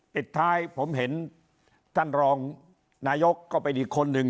ปิดท้ายผมเห็นท่านรองนายกก็เป็นอีกคนนึง